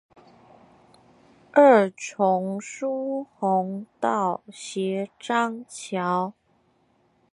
二重疏洪道斜張橋